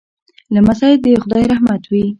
لمسی د خدای رحمت وي.